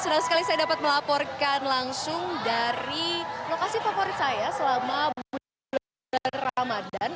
senang sekali saya dapat melaporkan langsung dari lokasi favorit saya selama bulan ramadan